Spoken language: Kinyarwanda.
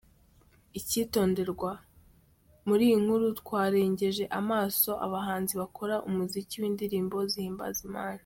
Icyitonderwa: Muri iyi nkuru twarengeje amaso abahanzi bakora umuziki w’indirimbo zihimbaza Imana.